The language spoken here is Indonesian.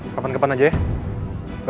kapan kepan aja ya